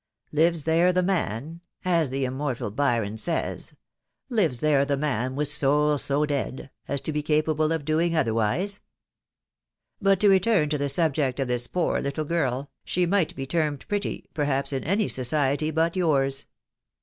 ' Lives there the man,' as the immortal Byron says — 'Lives there the man with soul so dead,' as to be capable of doing otherwise ?.... But to return to the subject of this poor little girl .... she might be termed pretty, perhaps, in any sodet^ Wt ^wk*« . THE WIDOW BARNABY.